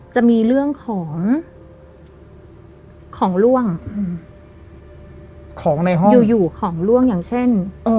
จะมีเรื่องของล่วงอยู่ของล่วงอย่างเช่น